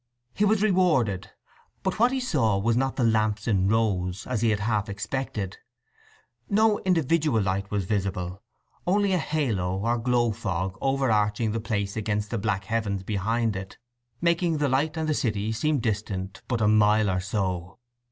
He was rewarded; but what he saw was not the lamps in rows, as he had half expected. No individual light was visible, only a halo or glow fog over arching the place against the black heavens behind it, making the light and the city seem distant but a mile or so.